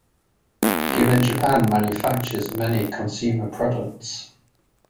Given Japan manufactures many consumer products.